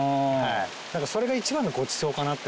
なんかそれが一番のごちそうかなって